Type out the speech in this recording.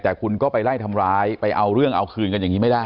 แต่คุณก็ไปไล่ทำร้ายไปเอาเรื่องเอาคืนกันอย่างนี้ไม่ได้